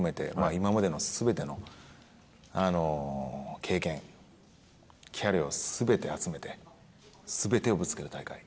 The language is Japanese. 今までの全ての経験、キャリアを全て集めて全てをぶつける大会